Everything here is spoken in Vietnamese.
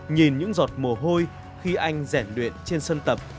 nhìn những giọt mồ hôi khi anh rẻn đuyện trên sân tập